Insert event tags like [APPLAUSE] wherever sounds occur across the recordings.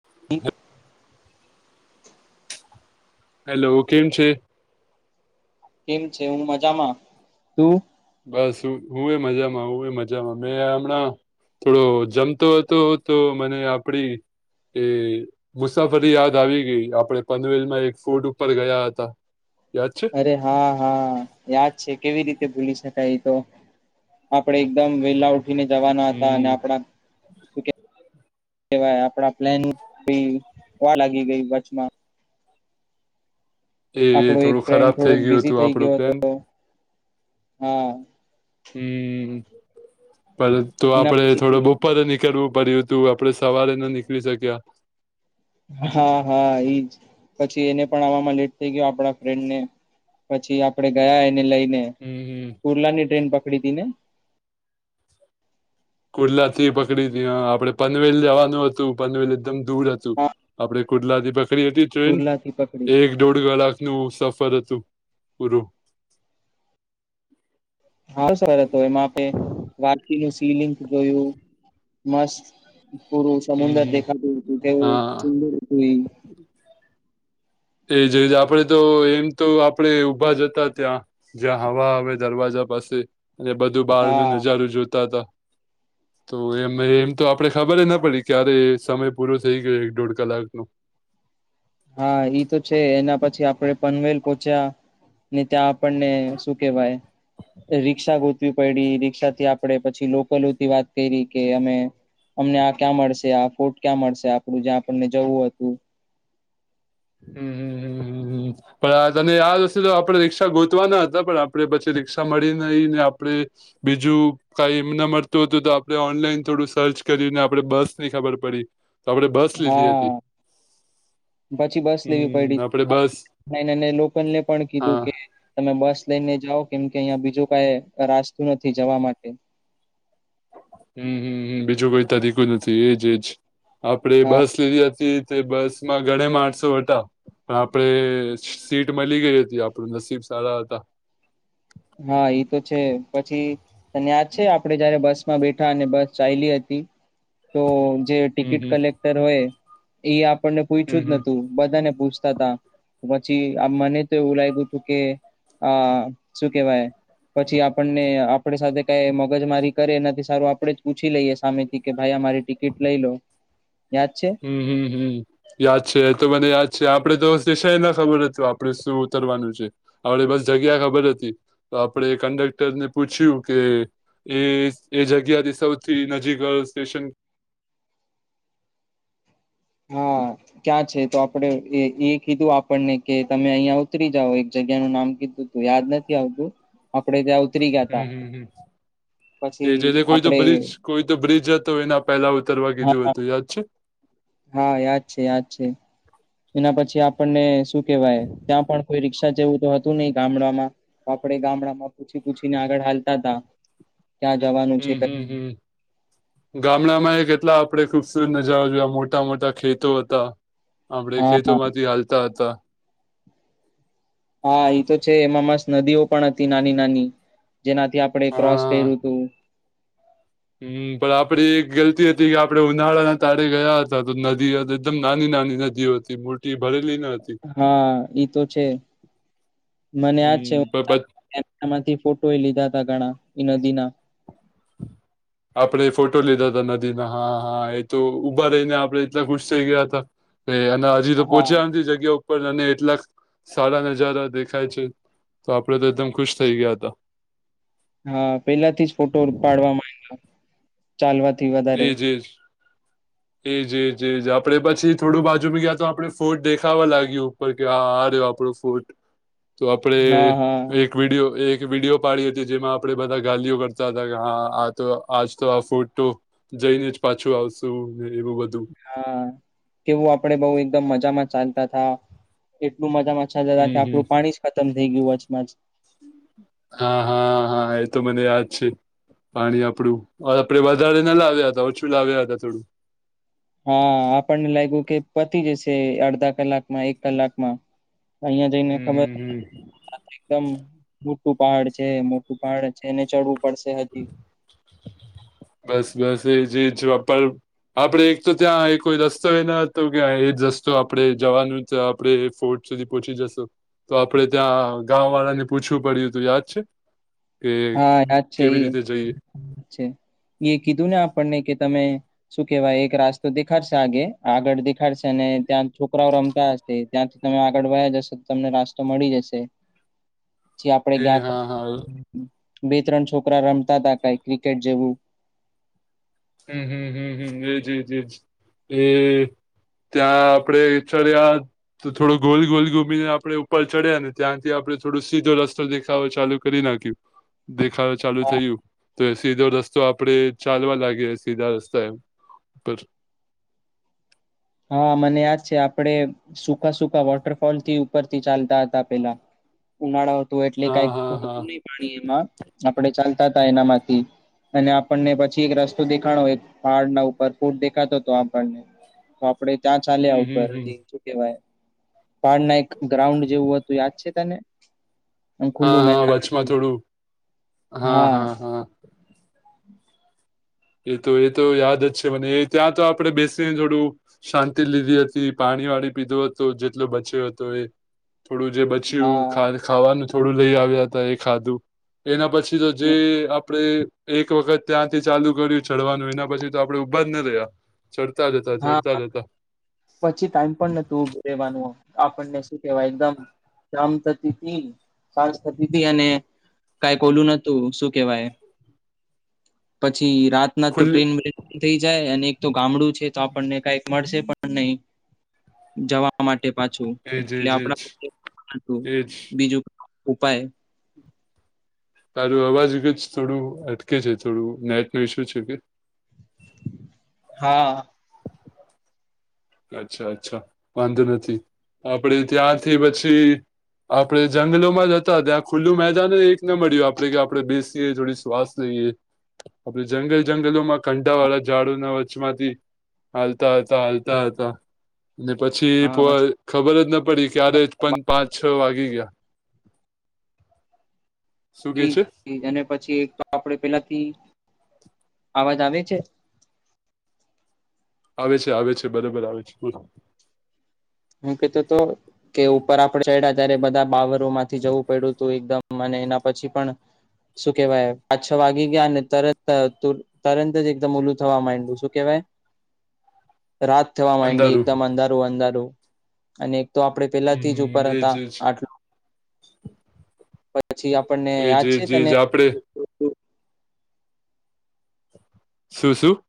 [INAUDIBLE] Hello કેમ છે કેમ છે હું મજામાં તું બસ હું એ મજામાં હું એ મજામાં મેં હમણાં થોડો જમતો હતો તો મને આપણી એ મુસાફરી યાદ આવી ગઈ આપણે પનવેલ માં એક ફૂટ ઉપર ગયા હતા યાદ છે અરે હા હા યાદ છે કેવી રીતે ભૂલી શકાય એ તો આપણે એકદમ વેલા ઉઠીને જવાના હતા અને હમ આપણા વાય આપડા પ્લેન હોવા લાગી ગઈ વચમાં એ આપડો એક થોડું ફ્રેન્ડ ખરાબ થોડોક થઈ ગયું બિઝી હતું થઈ આપણું ગયો પ્લાન હતો હા હમ્મ પર તો એના આપણે થોડો પછી બપોરે નીકળવું પડ્યું તો આપણે સવારે ના નીકળી શક્યા હા હા એઈજ પછી એને પણ આવામાં લેટ થઇ ગયો આપણા ફ્રેન્ડને પછી આપડે ગયા એને લઈને હમ્મ હમ્મ કુર્લા ની ટ્રેન પકડી તી ને કુર્લા થી પકડી તી આપડે પનવેલ જવાનું હતું પનવેલ એકદમ દૂર હતું હા આપણે કુર્લાથી પકડી હતી ટ્રેન કુર્લા થી પકડી એક દોઢ કલાક નું સફર હતું પૂરું હાલ સે હવે તો એમાં આપે વાકીનું સીલિંગ જોયું મસ્ત પૂરું સમુદ્ર હમ દેખાતું તે હા સુંદર હતું એ એ જ આપણે તો એમ તો આપણે ઊભા જતા ત્યાં જ્યાં હવા હવે દરવાજા પાસે અને બધું બહાર નું હા નજારું જોતા હતા તો એમ એમ તો આપણે ખબર ના પડી ક્યારે સમય પૂરો થઈ ગયો એક દોઢ કલાક નો હા ઈ તો છે એના પછી આપણે પનવેલ પહોચ્યા ને ત્યાં આપણને શું કેવાય રિક્ષા ગોતવી પડી રિક્ષા થી આપડે પછી લોકલોથી વાત કરી કે અમે અમને આ ક્યાં મળશે આ ફોર્ટ ક્યાં મળશે આપણું જ્યાં આપણને જવું હતું હમ હમ હમ હમ હમ પણ તને આ વતે તો આપણે રિક્ષા ગોતવાના હતા પણ આપણે પછી રીક્ષા મળી નહી ને આપણે બીજું કાઈ એમને મળતું હતું તો આપડણે ઓનલાઈન થોડું સર્ચ કર્યું ને આપડે બસ ની ખબર પડી તો આપણે બસ લીધી હતી હા પછી બસ લેવી હમ આપડે બસ પડી લોકલ ને પણ કીધું હા કે તમે બસ લઈને જાઓ કેમ કે અહિયાં બીજું કઈ રાસ્તું નથી જવા માટે હમ હમ બીજું કોઈ તરીકું નથી એજ એજ આપડે હા બસ લીધી હતી તે બસમાં ગણા માણસો વટા પણ આપડે સીટ મળી ગઈ હતી આપણું નસીબ સારા હતા હા એ તો છે પછી તને યાદ છે આપડે જયારે બસ માં બેઠા અને બસ ચાયલી હતી તો જે હમ ટિકિટ હમ કલેક્ટર હોય એ આપણને પૂછ્યું જ હમ નતું બધાને પૂછતા હતા પછી આ મને તો એવું લાગ્યું હતું કે આ શું કહેવાય પછી આપણને આપણે સાથે કઈ મગજમારી કરે એનાથી સારું આપણે જ પૂછી લઈએ સામે થી કે ભાઈ અમારી ટિકિટ લઈ લો યાદ છે હમ હમ હમ યાદ છે એ તો મને યાદ છે આપણે તો દેશા એ ના ખબર હતું આપણે શું ઉતરવાનું છે આપણે બસ જગ્યા ખબર હતી તો આપણે કંડક્ટર ને પૂછ્યું કે. એ એ જગ્યાથી સૌથી નજીક સ્ટેશન. હા. ક્યાં છે તો આપડે એ કીધું આપણને કે તમે અહિયાં ઉતરી જાઓ એક જગ્યા નું નામ કીધું. તું યાદ નથી આવતું આપડે ત્યાં ઉતરી ગયા ત. હમ હમ એ જેને કોઈ તો આપડે બ્રિજ કોઈ તો બ્રિજ હતો એના પહેલા ઉતરવા કીધું હા હતું યાદ છે. હા યાદ છે યાદ છે. એના પછી આપણને શું કેવાય. ત્યાં પણ કોઈ રિક્ષા જેવું તો હતું નહીિ ગામડામાં આપપડે ગામડામાં. પૂછી પૂછીને આગળ હાલતા ત ક્યાં જવાનું. છે હમ હમ હમ. હા ગામડામાં એ કેટલા આપડે ખુબસૂરત નજારા જોયા મોટા મોટા ખેતો હતા. આપડે હા ખેતોમાંથી હાલતા હતા. હા એ તો છે એમાં મસ નદીઓ પણ હતી નાની નાની. જેનાથી આપણેે ક્રોસ હા કર્યું હતું. હમ પણ આપે એક ગલતી હતી કે આપડે ઉનાળાના તાળે ગયા હતા તો નદી હતી એકદમ નાની નાની નદીઓ હતી. મૂર્તિ ભરેલી નથી. હા ઈ તો છે મને યાદ છે. હમ પણ પછી કેમેરામાંથી ફોટો લીધા ત ઘણા નદીના. આપણે ફોટો લીધા હતા નદીના હા હા એ તો ઉઊભા રહીને આપડે એટલા ખુશ થઈ ગયા હતા. કે અને હજી તો હા. પોહચ્યામ જગ્યા. અને એટલા સારા નજારા દેખાય છે તો આપડે તો એકદમ ખુશ થઈ ગયા હતા. હા પેલા થી જ ફોટો પાડવાવામાં આવે ચાલવાથી વધારે. એ જજજ આપડે પછી થોડું બાજુમાંી ગયા તો આપડે ફોર્ટ દેખાવા લાગ્યું. કે આ આ રહ્યો આપણો ફૂટ તો હા આપણેે. હા. એક વિડીિયો એક વિડીિયો પાડી હતી જેમાં આપણેે બધા ગલીઓ કરતા હતા કે હા. તો આજ તો આ ફોટો જઈને જ પાછું આવશું ને એવું બધુ હા કેવું આપડે બઉ એકદમ મજામાં ચાલતા થા. એટલું મજામાંછા જતા હમ કે હમ આપડું પાણી જ ખતમ થઈ ગયું વજમાં જ હા હા હા એ તો મને યાદ છે. પાણી આપડું આપડે વધારે ના લાવ્યા હતા ઓછું લાવ્યા હતા થોડુ હા આપણને લાગ્યું કે પતિ જશે અડધા કલાકમાં એક કલાકમા અહિયાં જઈને હમ હમ હમ ખબર એકદમ મોટું પહાડ છે, મોટુ પણ છે, એને ચડવું પડશે હજી. બસ બસ એ જ જવાપર આપડણે એક તો ત્યાં કોઈ રસ્તો એ ન હતો કે એ જ રસ્તો આપડણે જવાનું છે, આપણે ફોર્ટ સુધી પહચી જશો તો આપડે ત્યાં ગા વાળા ને પૂછવું પડ્યું ત યાદ છે. કે હા યાદ છે કેવી રીતે જઈએ એ એ કીધું ને આપણને કે તમે શું કેવાય એક રાસ્તો દેખાડશે આગે આગળ દેખાડશે અનેને ત્યાં છોકરાઓ રમતા હ ત્યાંથી તમે આગળ વા્યા જશો તો તમને રાસ્તો મળી જશે . આપડે ગયા ત બે ત્રણ છોકરા રમતા હતા કઈ ક્રિકેટ જેવુ હમ્મ હમ્મ હમ્મ હમ્મ એ જી જ જ એ ત્યાં આપડે ચર્યા તો થોડો ગોલ ગોલ ગૂમીને આપણેે ઉપર ચડ્યા ને ત્યાંથી આપણે થોડો સીધો રસ્તો દેખાવો ચાલુ કરી નાખ્યુ. દેખા ચાલુ થયું તો સીધો રસ્તો આપડણે ચાલવા લાગી. સીધા રસ્તા હ ઉપર હા મને યાદ છે આપડે સુકા સકા વોટરફોલ થી ઉપરથી ચાલતા હતા પેલા. ઉનાળો હતો એટલે હા હા કઈકતું હા નહ પાણી એમાં આપણે ચાલતા તા એનામાંથી અને આપણને પછી એક રસ્તો દેખાણો એક પહાડના ઉપર ફૂટ દેખાતો હતો આપણને. તો આપડે ત્યાં ચાલ્યા હમ હમ ઉપર હમ શું કેવાય પહાડના એક ગ્રાઉન્ડ જેવું હતુ. યાદ છે તને હા ખુલ્લું હા મેદાન વચમાં થોડું હા એ તો એ તો યાદ જ છે મને એ ત્યાં તો આપડણે બેસી થોડુ શાંતિ લીધી હતી પાણી વાળ પીધો હતો જેટલો બચ્યો હતો, એ થોડું જે હા બચ્યું ખાવાનું થોડુ, લઈ આવ્યા હતા એ ખાધુ એના પછી તો જે હમ, આપડે એક વખત ત્યાંથી ચાલુ ચડવાનું એના પછી તો આપડે ઉઊભા જ ના રહ્યા ચડતા જતા હા ચડતા જતા. પછી ટાઈમ પણ નતુંરેવાનું આપણને શું કેવાય એકદમ જામ થતી તથી સાસ થતી ત અને કઈ કોલું નતું શું કેવાય પછી રાત તો ખુલ્લી ટ્રેન થઈ જાય અને એક તો ગામડું છે તો આપણને કંક મળશે પણ નહી જવા માટે પાછું એજ એટલે એજ આપ એજ એજ બીજુ ઉપાય તારું અવાજ કે જ થોડું અટકે છે થોડું નેટ નું ઇશ્યુ છે, કે હા અચ્છા અચ્છા વાંધો નથી આપડે ત્યાંથી પછી આપડણે જંગલોમાં જતા ત્યાં ખુલ્લું મેદાનને એક ના મળ્યું આપડે કે આપડણે બેસીએ થ શ્વાસ સ એ આપડ જંગલ જંગલોમાં કંડાા વાળા ઝાડુના વચચમાંથી હાલતા હાલતા હાલતા હતા અને પછી હા પાછું ખબર જ ન પડી ક્યારે પણ પાંચ છ વાગીે ગયા. શું કે છે એઈજ અને પછી, એક તો આપડે પેલાથી અવાજ આવે છે. આવે છે, આવે છે બરોબર આવે છે. હુ કતોુ તો કે ઉપર આપડ છેડ ત્યારે બધા બાવરો માંથી જવું પડ્યું હતુ એકદમ મ એના પછી પણ શું કેવાય પાંચ છ વાગી ગયા, ને તરત તરંત જ એકદમ ઓલુ થવા માંડુ શું કેહેવાય [INAUDIBLE] રાત થવા માંડી અંધારું એકદમ અંધારું અંધારું અને એક તો આપડે પેલાથી જ ઉપર હમ એજ હતા એજ આટલું પછી આપણને એ યાદ જી છે તને જી આપડે શું શું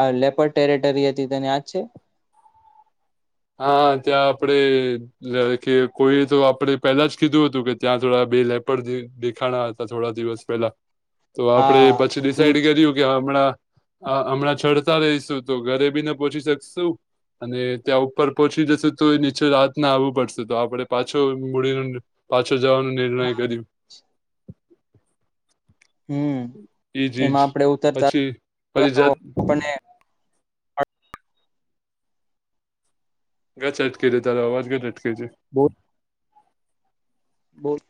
હ લેપર ટેરેટરી હતી તેને યાજ છે હા ત્યાં આપડે એ કે કોઈએ તો આપડે પેલા જ કીધું હતું કે ત્યાં થોડા બે લેપર દેખાણા હતા થોડા દિવસ પેલા તો આપડણે હા પછી ઈ ડિસાઈડ કર્યું કે હમણાં હમણાં ચડતા રહીશું તો ઘરે બી ના પહોંચી શકશું અને ત્યાં પર પહોંચી જશે તો એ નીચે રાત ના આવવું પડશે તો આપડે પાછો મૂડીને પાછો જવાનું નિર્ણય કર્યું હમ ઈજ ઈજ એમાં આપણેે ઉતરતા પછી પછી તો જાત આપને ઘ ચ અટકે છે તારા આવાજ ઘ અટકે છે બો બહ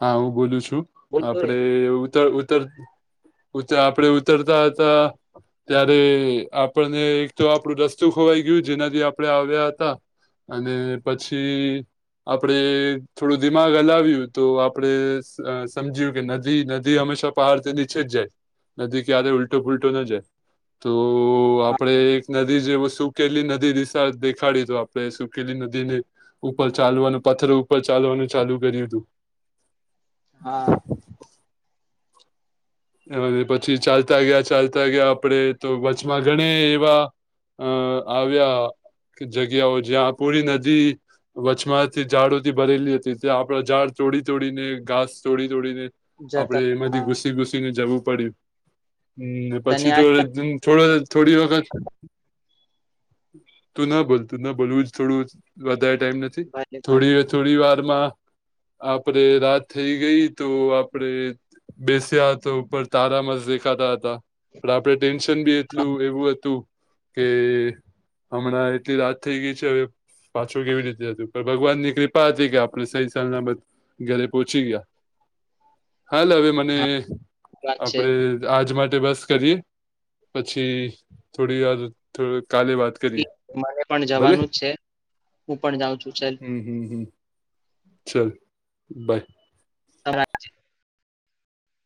હા હું બોલું છું બોલતો રે આપડે ઉતર ઉત્તર આપડે ઉતરતા હતા ત્યારે આપણને એક તો આપડું રસ્તું ખોવાઈ ગયું જેનાથી આપડ આવ્યા હતા અને પછી આપડે થોડું દિમાગ હલાવ્યું તો આપડે સમજ્યું કે નદી નદી હંમેશા પહાડથી નીચે જ જાય ન ક્યારે ઉલટો પૂલટો ન જાય તો આપડે હા નદી જેવ સુકેલી નદી દિશા દેખાડી તો આપણે સુકેલી નદી ને ઉપર ચાલવાનું પથર ઉપર ચાલવાનું ચાલુ કર્યું હતું હા પછી ચાલતા ગયા ચાલતા ગયા આપડે તો વચમાં ગણે એવા અ આવ્યા જગ્યાઓ જ્યાં પૂરી નદી વછમાંથી ઝાડોથી ભરેલી હતી ત આપડ ઝાડ તોડી તોડીને ઘાસ તોડી તોડીને જતા આપડે એમાંથી હા ઘુસી ગુસી જવું પડ્યું તને પછી આ તોો થોડી વખત તું ના ભોલ તું ન બોલવું જ થોડું વધારે ટાઈમ ભલે ભલે થોડી થોડી વારમાં આપડે રાત થઈ ગઈ તો આપડે બેસ્યા તો ઉપર તારા મસ દેખાતા હતા પણ આપડણે ટેન્શન બી હા એટલું એવું હતું કે હમણાં એટલી રાત થઈ ગઈ છે હવે પાછું કેવી રીતે હતું ભગવાન ની કૃપા હતી કે આપણે સહી સ બ ઘરે પહોંચી ગયા હાલ હવે મને હા વાત છે આપડે આજ માટે બસ કરીએ પછી થોડી વારો કાલે વાત કરી એ તમારે પણ જવાનું જ છે હું પણ જાઉં છું ચાલ હમ હમ હમ ચાલ બાય તમા